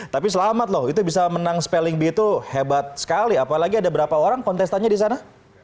tapi selamat loh itu bisa menang spelling b itu hebat sekali apalagi ada berapa orang kontestannya di sana